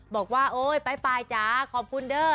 บอกว่าโอ๊ยไปจ๊ะขอบคุณเด้อลาเอ้ย